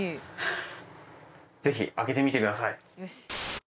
ぜひ開けてみてください。